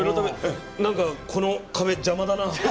なんかこの壁、邪魔だな。